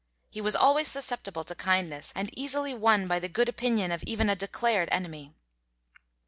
He was always susceptible to kindness, and easily won by the good opinion of even a declared enemy.